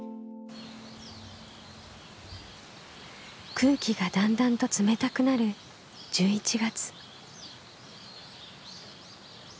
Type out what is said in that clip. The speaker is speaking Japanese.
空気がだんだんと冷たくなる１１月。